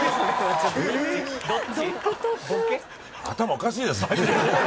おかしいです。